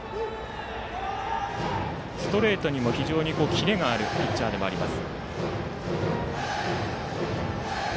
ストレートにも非常にキレがあるピッチャーでもあります。